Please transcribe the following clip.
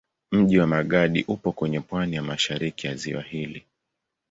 Mji wa Magadi upo kwenye pwani ya mashariki ya ziwa hili.